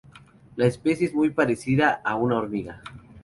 La especie es muy parecida a una hormiga.